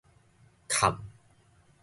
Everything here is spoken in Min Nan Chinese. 闞